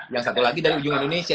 yang satu lagi dari ujung indonesia